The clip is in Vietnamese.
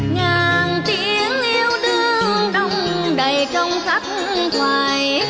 ngàn tiếng yêu đương đông đầy trong khắp ngoài